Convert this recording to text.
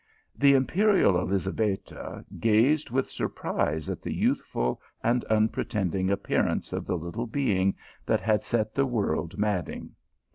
The imperial Elizabetta gazed with surprise at the vouthful and unpretending appearance of the little being that had set the world madding.